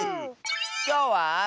きょうは。